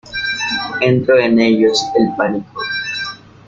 entró en ellos el pánico.